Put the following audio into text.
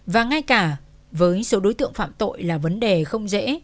và ngay cả với số đối tượng phạm tội là vấn đề không dễ